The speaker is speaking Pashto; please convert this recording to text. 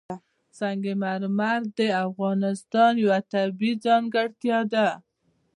سنگ مرمر د افغانستان یوه طبیعي ځانګړتیا ده.